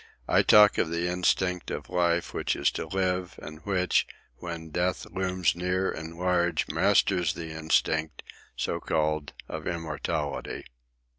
I talk of the instinct of life, which is to live, and which, when death looms near and large, masters the instinct, so called, of immortality.